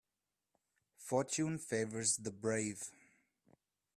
Fortune favours the brave.